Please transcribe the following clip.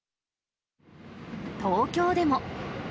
東京でも。